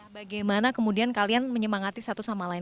bagaimana kemudian kalian menyemangati satu sama lain